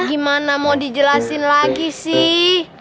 gimana mau dijelasin lagi sih